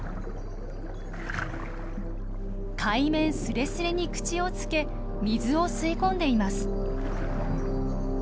海面スレスレに口をつけ水を吸い込んでいます。